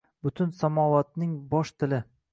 Butun samovotning bosh tili